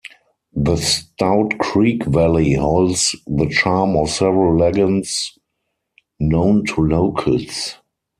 The Stout Creek valley holds the charm of several legends known to locals.